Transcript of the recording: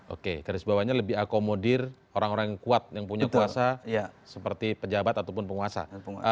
oke garis bawahnya lebih akomodir orang orang yang kuat yang punya kuasa seperti pejabat ataupun penguasa